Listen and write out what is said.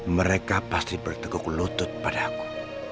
mereka pasti berteguk lutut pada aku